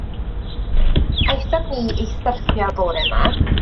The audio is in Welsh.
Aethon ni i syrffio bora 'ma.